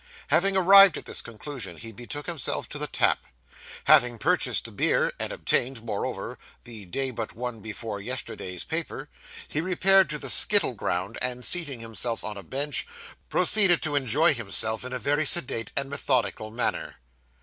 Having arrived at this conclusion, he betook himself to the tap. Having purchased the beer, and obtained, moreover, the day but one before yesterday's paper, he repaired to the skittle ground, and seating himself on a bench, proceeded to enjoy himself in a very sedate and methodical manner.